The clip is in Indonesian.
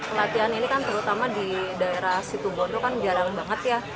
pelatihan ini terutama di daerah situwondo jarang banget